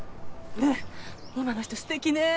ねえ今の人素敵ね！